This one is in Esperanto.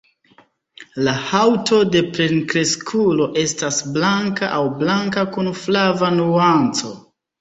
La haŭto de plenkreskulo estas blanka aŭ blanka kun flava nuanco.